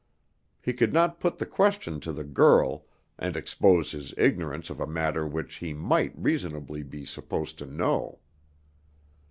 He could not put the question to the girl, and expose his ignorance of a matter which he might reasonably be supposed to know.